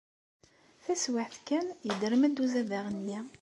Taswiɛt kan, yedrem-d uzadaɣ-nni.